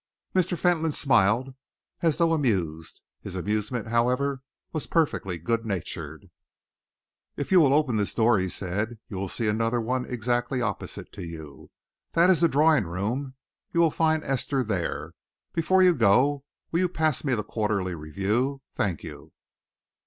Mr. Fentolin smiled as though amused. His amusement, however, was perfectly good natured. "If you will open this door," he said, "you will see another one exactly opposite to you. That is the drawing room. You will find Esther there. Before you go, will you pass me the Quarterly Review? Thank you."